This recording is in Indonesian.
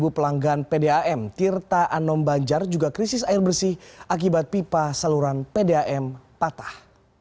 tujuh pelanggan pdam tirta anom banjar juga krisis air bersih akibat pipa saluran pdam patah